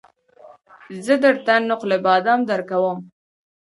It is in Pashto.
زه درته نقل بادام درکوم